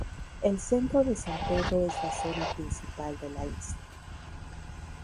El centro de San Pedro es la zona principal de la isla.